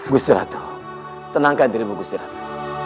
gusiratu tenangkan dirimu gusiratu